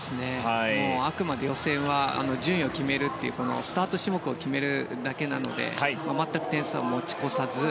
あくまで予選は順位を決めるというスタート種目を決めるだけなので全く点数は持ち越さず